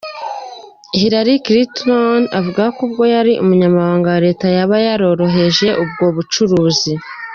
Hillary Cliton avugwaho ko ubwo yari Umunyamabanga wa Let, yaba yororoheje ubwo bucuruzi.